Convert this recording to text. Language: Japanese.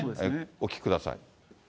お聞きください。